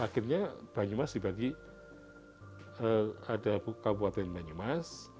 akhirnya banyumas dibagi ada kabupaten banyumas